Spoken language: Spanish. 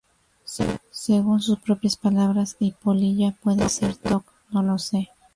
Según sus propias palabras "Y polilla puede ser toc no lo se".